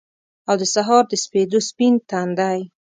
او دسهار دسپیدو ، سپین تندی